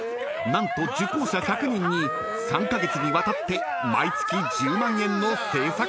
何と受講者１００人に３カ月にわたって毎月１０万円の制作費を支援］